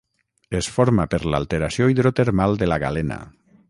Es forma per l'alteració hidrotermal de la galena.